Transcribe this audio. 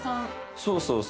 そうそうそう。